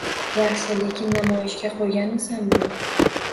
— Yaxshi, lekin namoyishga qo'yganmisan buni?